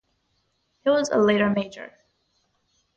He was later a Major.